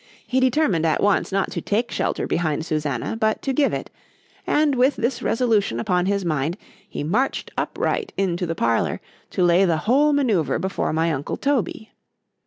——He determined at once, not to take shelter behind Susannah,—but to give it; and with this resolution upon his mind, he marched upright into the parlour, to lay the whole manœuvre before my uncle _Toby.